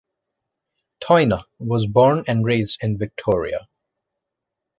Toyne was born and raised in Victoria.